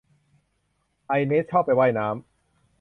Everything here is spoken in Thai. ไอเนสชอบไปว่ายน้ำ